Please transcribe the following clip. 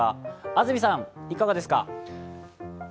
安住さん、いかがですか？